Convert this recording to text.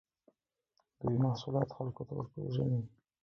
دوی محصولات خلکو ته ورپېژني.